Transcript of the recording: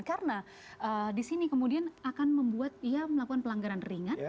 karena di sini kemudian akan membuat ia melakukan pelanggaran ringan